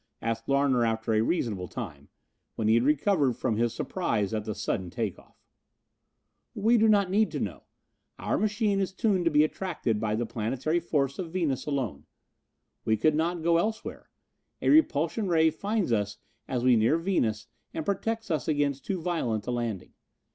asked Larner after a reasonable time, when he had recovered from his surprise at the sudden take off. "We do not need to know. Our machine is tuned to be attracted by the planetary force of Venus alone. We could not go elsewhere. A repulsion ray finds us as we near Venus and protects us against too violent a landing.